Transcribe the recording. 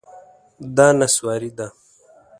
دا نسواري ده